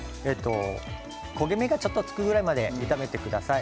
焦げ目がつくぐらいまで炒めてください。